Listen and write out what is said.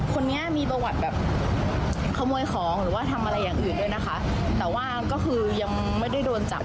คนนี้มีประวัติแบบขโมยของหรือว่าทำอะไรอย่างอื่นด้วยนะคะแต่ว่าก็คือยังไม่ได้โดนจับ